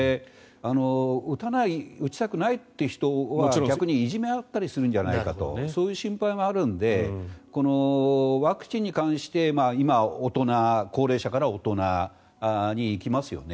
打ちたくないという人は逆にいじめられたりするんじゃないかというそういう心配もあるのでワクチンに関して今、高齢者から大人に行きますよね。